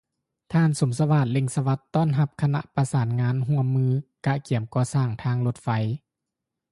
ທ່ານ ສົມສະຫວາດ ເລັ່ງສະຫວັດ ຕ້ອນຮັບຄະນະປະສານງານຮ່ວມມືກະກຽມກໍ່ສ້າງທາງລົດໄຟ